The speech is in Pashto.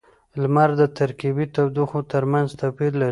• لمر د ترکيبی تودوخې ترمینځ توپیر لري.